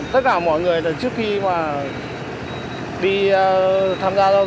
thử thích án ma túy gây nguy hiểm our property economy